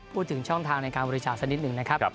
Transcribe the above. พูดถึงช่องทางในการบริจาคสักนิดหนึ่งนะครับ